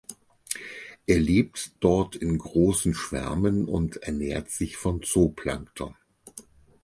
Er lebt dort in großen Schwärmen und ernährt sich von Zooplankton.